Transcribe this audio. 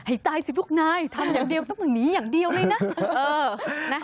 ให้ตายสิพวกนายทำอย่างเดียวต้องหนีอย่างเดียวเลยนะ